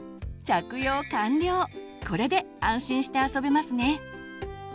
これで安心して遊べますね。